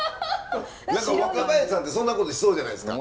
何か若林さんってそんなことしそうじゃないですか。